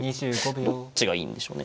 どっちがいいんでしょうね。